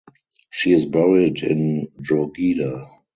She is buried in Drogheda.